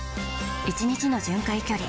１日の巡回距離